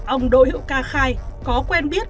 ông đỗ hiệu ca khai có quen biết